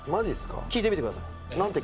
聞いてみてください。